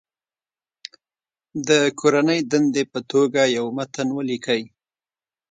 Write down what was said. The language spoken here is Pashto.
د کورنۍ دندې په توګه یو متن ولیکئ.